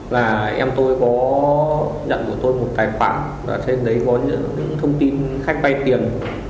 và em tôi có nhận của tôi một tài khoản và trên đấy có những thông tin khách vay tiền